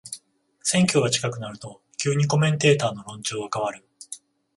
選挙が近くなると急にコメンテーターの論調が変わる